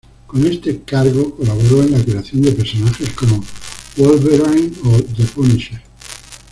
Con este cargo, colaboró en la creación de personajes como Wolverine o The Punisher.